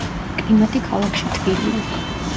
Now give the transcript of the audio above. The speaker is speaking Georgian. კლიმატი ქალაქში თბილია.